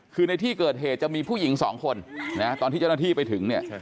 คือในที่เกิดเหตุจะมีผู้หญิงสองคนนะตอนที่เจ้าหน้าที่ไปถึงเนี่ย